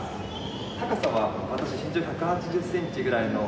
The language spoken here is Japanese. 高さは私身長１８０センチぐらいの高さで。